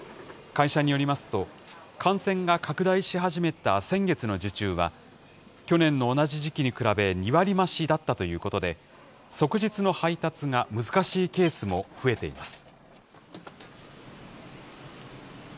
会社によりますと、感染が拡大し始めた先月の受注は、去年の同じ時期に比べ２割増しだったということで、即日の配達が難しいケースも増えています。